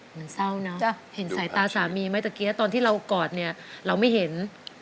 เหมือนเศร้าเนอะเห็นสายตาสามีไหมตะกี้ตอนที่เรากอดเนี่ยเราไม่เห็น